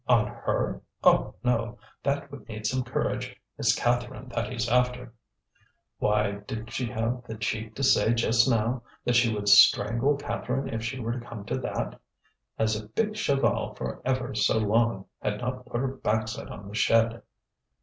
"On her? Oh, no! that would need some courage. It's Catherine that he's after." "Why, didn't she have the cheek to say just now that she would strangle Catherine if she were to come to that? As if big Chaval for ever so long had not put her backside on the shed!"